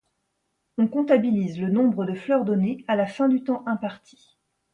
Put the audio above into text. On comptabilise le nombre de fleurs données à la fin du temps imparti.